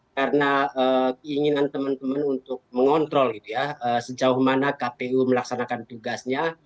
karena keinginan teman teman untuk mengontrol sejauh mana kpu melaksanakan tugasnya